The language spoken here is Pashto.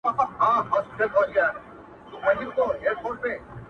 • غوړولی یې په ملک کي امنیت وو,